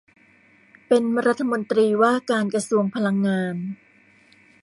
เป็นรัฐมนตรีว่าการกระทรวงพลังงาน